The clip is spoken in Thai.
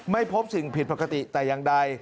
ไม่พบสิ่งผิดปกติแต่อย่างใด